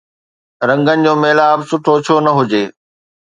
رنگن جو ميلاپ سٺو ڇو نه هجي؟